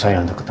bukan gitu ya